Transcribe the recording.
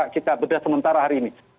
kita bedah sementara hari ini